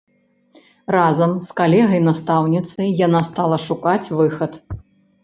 Разам з калегай-настаўніцай яна стала шукаць выхад.